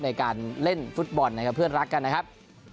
ในการเล่นฟุตบอลนะครับเพื่อนรักกันนะครับ